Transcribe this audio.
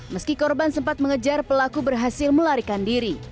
meski korban sempat mengejar pelaku berhasil melarikan diri